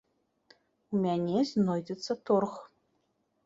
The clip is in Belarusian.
У мяне знойдзецца торг.